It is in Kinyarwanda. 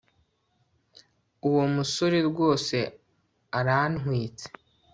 uwo musore rwose arantwitse